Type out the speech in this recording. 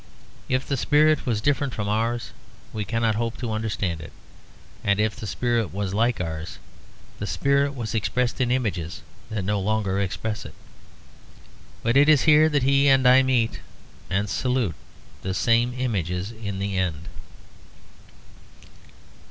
If the spirit was different from ours we cannot hope to understand it, and if the spirit was like ours, the spirit was expressed in images that no longer express it. But it is here that he and I meet; and salute the same images in the end.